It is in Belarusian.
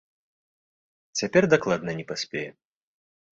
Цяпер дакладна не паспее.